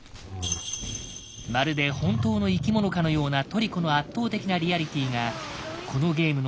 まるで本当の生き物かのようなトリコの圧倒的なリアリティがこのゲームの最大の特徴。